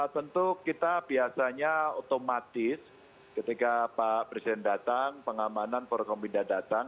tentu kita biasanya otomatis ketika pak presiden datang pengamanan forkombinda datang